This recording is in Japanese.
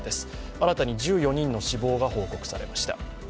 新たに１４人の死亡が報告されました。